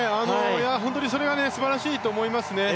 本当にそれが素晴らしいと思いますね。